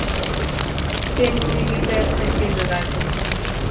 Piny nigi berne kendo rachne.